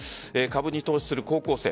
株に投資する高校生。